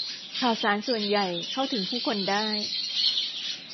ข่าวสารส่วนใหญ่เข้าถึงผู้คนได้